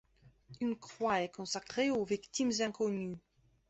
Une croix est consacrée aux victimes inconnues.